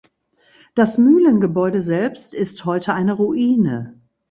Das Mühlengebäude selbst ist heute eine Ruine.